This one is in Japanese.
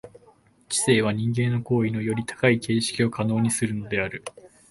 知性は人間の行為のより高い形式を可能にするのである。